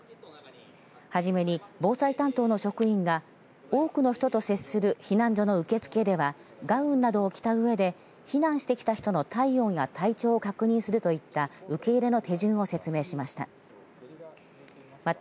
はじめに防災担当の職員が多くの人と接する避難所の受け付けではガウンなどを着たうえで避難してきた人の体温や体調を確認するといった受け入れの手順を説明しました。